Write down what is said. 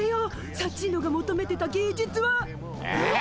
サッチーノがもとめてた芸術は！えっ？